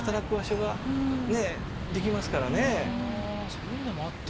そういうのもあって？